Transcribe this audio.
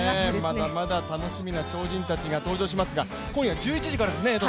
まだまだ楽しみな超人たちが登場しますが今夜１１時からですね。